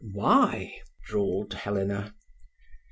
"Why?" drawled Helena.